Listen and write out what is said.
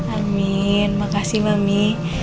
amin makasih mami